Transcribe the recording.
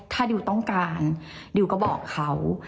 ถ้าดิวต้องการดิวก็บอกเขา